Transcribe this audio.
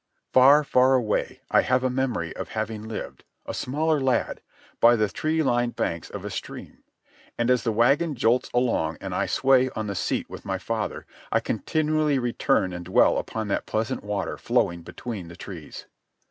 Far, far away I have a memory of having lived, a smaller lad, by the tree lined banks of a stream. And as the wagon jolts along, and I sway on the seat with my father, I continually return and dwell upon that pleasant water flowing between the trees.